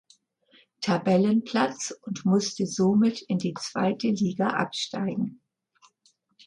Tabellenplatz und musste somit in die zweite Liga absteigen.